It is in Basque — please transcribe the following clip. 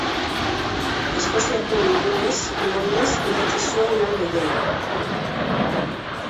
Eskoziako ingeles moldez idatzi zuen lan gehiena.